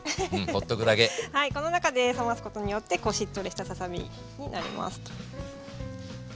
この中で冷ますことによってこうしっとりしたささ身になりますと。